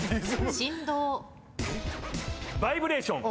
バイブレーション。